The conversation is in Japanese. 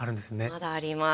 まだあります。